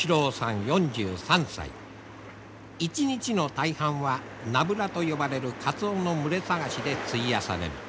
一日の大半はナブラと呼ばれるカツオの群れ探しで費やされる。